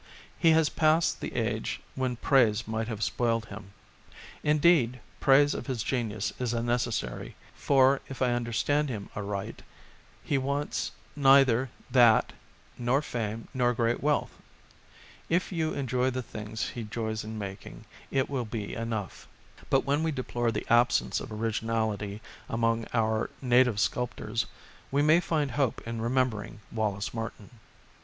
He has passed the age when praise might have spoiled him ; indeed, praise of his genius is unnecessary, for, if I understand him aright, he wants neither that nor fame nor great wealth. If you enjoy the things he joys in making, it will be 174 A QUARTET OF POTTERS enough. But when we deplore the absence of origin ality among our native sculptors, we may find hope in remembering Wallace Martin.